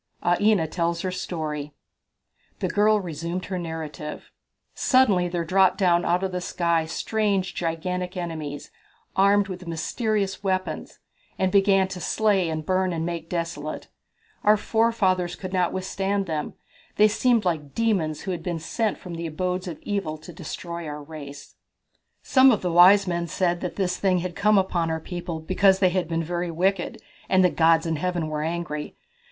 Aina Tells Her Story. The girl resumed her narrative: "Suddenly there dropped down out of the sky strange gigantic enemies, armed with mysterious weapons, and began to slay and burn and make desolate. Our forefathers could not withstand them. They seemed like demons, who had been sent from the abodes of evil to destroy our race." "Some of the wise men said that this thing had come upon our people because they had been very wicked, and the gods in Heaven were angry.